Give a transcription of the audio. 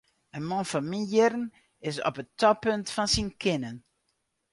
In man fan myn jierren is op it toppunt fan syn kinnen.